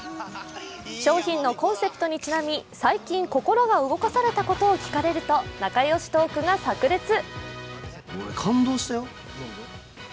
商品のコンセプトにちなみ最近心が動かされたことを聞かれると仲よしトークがさく裂。